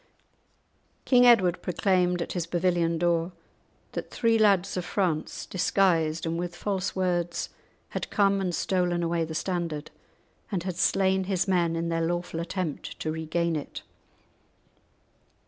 King Edward proclaimed at his pavilion door that three lads of France, disguised, and with false words, had come and stolen away the standard, and had slain his men in their lawful attempt to regain it.